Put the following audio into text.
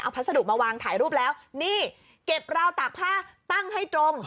พัสดุมาวางถ่ายรูปแล้วนี่เก็บราวตากผ้าตั้งให้ตรง